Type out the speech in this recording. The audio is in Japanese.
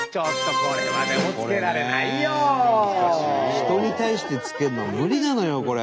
人に対してつけるのは無理なのよこれ。